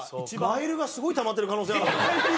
マイルがすごいたまってる可能性ある。